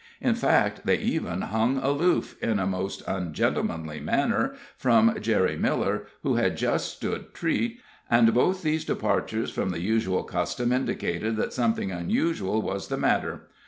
In fact, they even hung aloof, in a most ungentlemanly manner, from Jerry Miller, who had just stood treat, and both these departures from the usual custom indicated that something unusual was the matter.